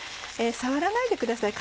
触らないでください